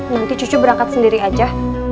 nanti cucu berangkat sendiri aja